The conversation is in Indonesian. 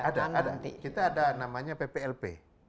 ada kita ada namanya pplp